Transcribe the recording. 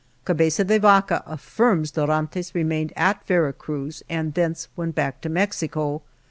Cabeza de Vaca af firms Dorantes remained at Vera Cruz, and thence went back to Mexico.